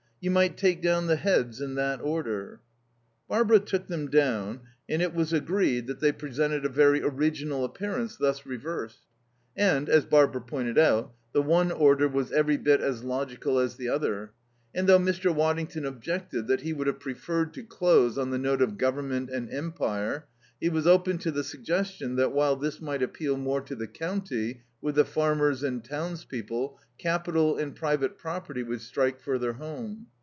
"You might take down the heads in that order." Barbara took them down, and it was agreed that they presented a very original appearance thus reversed; and, as Barbara pointed out, the one order was every bit as logical as the other; and though Mr. Waddington objected that he would have preferred to close on the note of Government and Empire, he was open to the suggestion that, while this might appeal more to the county, with the farmers and townspeople, capital and private property would strike further home.